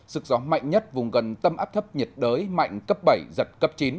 sức gió mạnh nhất vùng gần tâm áp thấp nhiệt đới mạnh cấp bảy giật cấp chín